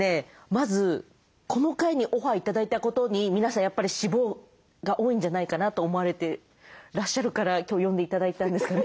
まずこの回にオファー頂いたことに皆さんやっぱり脂肪が多いんじゃないかなと思われてらっしゃるから今日呼んで頂いたんですかね。